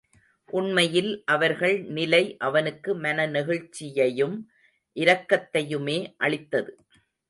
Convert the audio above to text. உண்மையில் அவர்கள் நிலை அவனுக்கு மன நெகிழ்ச்சியையும் இரக்கத்தையுமே அளித்தது.